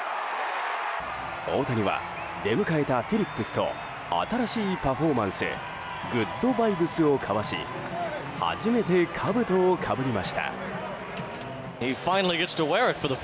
大谷は出迎えたフィリップスと新しいパフォーマンスグッド・バイブスを交わし初めて、かぶとをかぶりました。